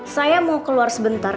saya mau keluar sebentar